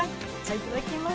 いただきます。